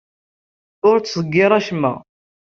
Ur ttḍeggireɣ acemma.